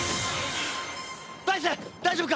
大丈夫！